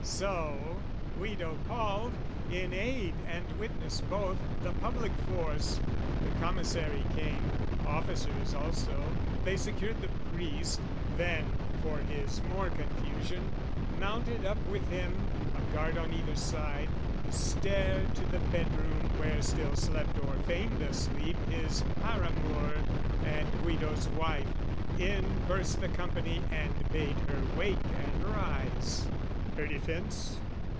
So, Guido called, in aid and witness both, The Public Force. The Commissary came, Officers also; they secured the priest; Then, for his more confusion, mounted up With him, a guard on either side, the stair To the bed room where still slept or feigned a sleep His paramour and Guido's wife: in burst The company and bade her wake and rise. Her defence?